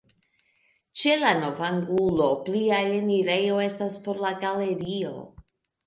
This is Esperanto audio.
Ĉe la navoangulo plia enirejo estas por la galerio.